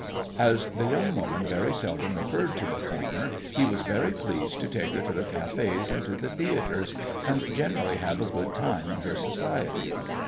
As the young woman very seldom referred to the former he was very pleased to take her to the cafés and to the theatres, and generally have a good time in her society.